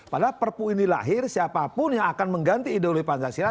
padahal perpu ini lahir siapapun yang akan mengganti ideologi pancasila